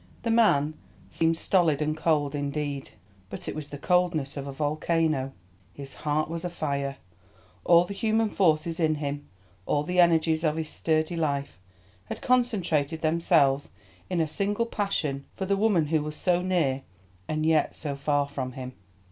The man seemed stolid and cold indeed, but it was the coldness of a volcano. His heart was a fire. All the human forces in him, all the energies of his sturdy life, had concentrated themselves in a single passion for the woman who was so near and yet so far from him.